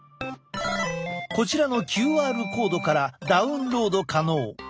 こちらのＱＲコードからダウンロード可能。